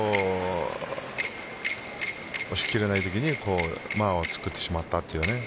押し切れないときに間を作ってしまったという。